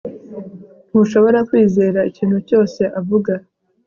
ntushobora kwizera ikintu cyose avuga